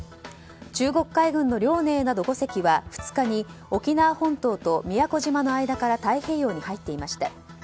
中国海軍の「遼寧」など５隻は２日に沖縄本島と宮古島の間から太平洋に入っていました。